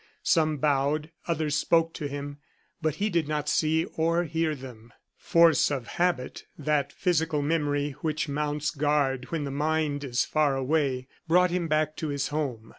Some bowed; others spoke to him, but he did not see or hear them. Force of habit that physical memory which mounts guard when the mind is far away brought him back to his home.